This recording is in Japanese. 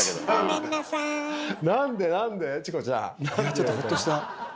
ちょっとホッとした。